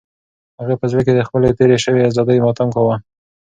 هغې په زړه کې د خپلې تېرې شوې ازادۍ ماتم کاوه.